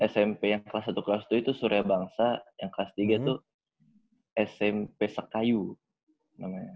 smp yang kelas satu kelas itu surya bangsa yang kelas tiga tuh smp sekayu namanya